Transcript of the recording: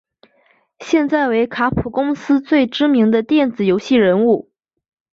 现在为卡普空公司最知名的电子游戏人物。